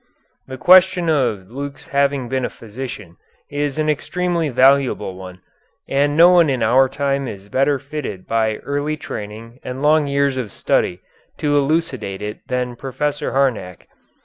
The question of Luke's having been a physician is an extremely valuable one, and no one in our time is better fitted by early training and long years of study to elucidate it than Professor Harnack.